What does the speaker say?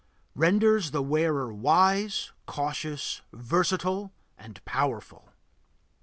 Renders the wearer wise, cautious, versatile, and powerful.